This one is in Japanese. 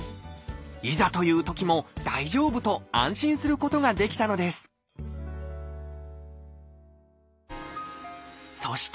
いざというときも大丈夫と安心することができたのですそして